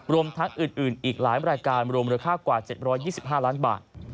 รวมทั้งอื่นอีกหลายรายการรวมมูลค่ากว่า๗๒๕ล้านบาท